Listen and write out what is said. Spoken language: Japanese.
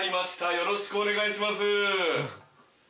よろしくお願いします。